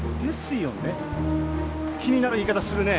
気になる言い方するね。